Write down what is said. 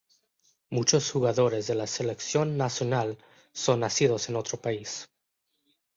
Muchos jugadores de la selección nacional son nacidos en otro país.